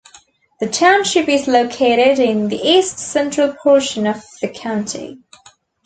The township is located in the east central portion of the county.